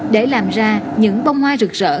để làm ra những bông hoa rực rỡ